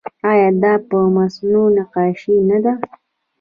آیا دا په مسو نقاشي نه ده؟